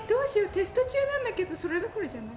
テスト中なんだけどそれどころじゃない。